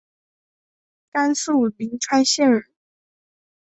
甘肃灵川县人。